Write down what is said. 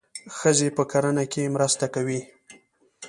ښځې په کرنه کې مرسته کوي.